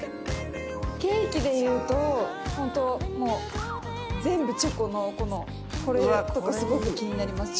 ケーキでいうとホントもう全部チョコのこれとかすごく気になります。